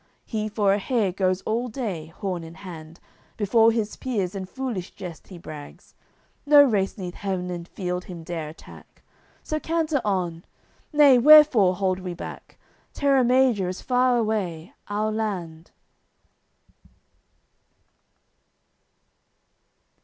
He for a hare goes all day, horn in hand; Before his peers in foolish jest he brags. No race neath heav'n in field him dare attack. So canter on! Nay, wherefore hold we back? Terra Major is far away, our land."